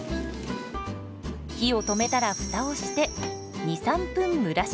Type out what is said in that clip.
火を止めたらフタをして２３分蒸らします。